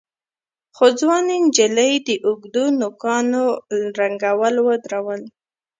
خو ځوانې نجلۍ د اوږدو نوکانو رنګول ودرول.